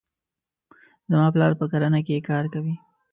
زما پلار په کرنې کې کار کوي.